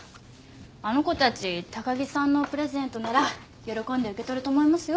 あの子たち高木さんのプレゼントなら喜んで受け取ると思いますよ。